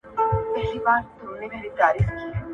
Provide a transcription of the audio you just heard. دا نبات د سړې هوا په وړاندې مقاومت لري.